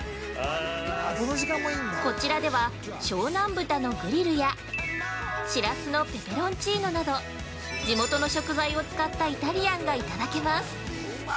こちらでは、湘南豚のグリルや、しらすのペペロンチーノなど地元の食材を使ったイタリアンがいただけます。